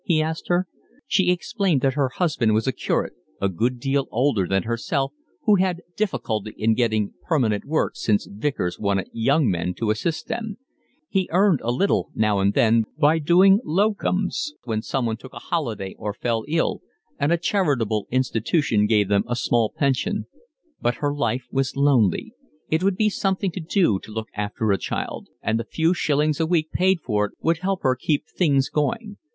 he asked her. She explained that her husband was a curate, a good deal older than herself, who had difficulty in getting permanent work since vicars wanted young men to assist them; he earned a little now and then by doing locums when someone took a holiday or fell ill, and a charitable institution gave them a small pension; but her life was lonely, it would be something to do to look after a child, and the few shillings a week paid for it would help her to keep things going.